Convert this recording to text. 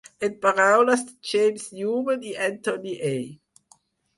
En paraules de James Newman i Anthony A.